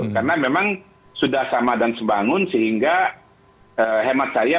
karena memang sudah sama dan sebangun sehingga hemat saya